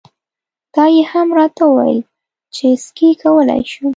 دا یې هم راته وویل چې سکی کولای شم.